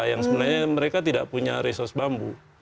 yang sebenarnya mereka tidak punya resource bambu